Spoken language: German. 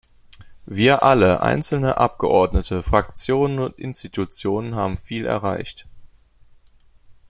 Wir alle einzelne Abgeordnete, Fraktionen und Institutionen haben viel erreicht.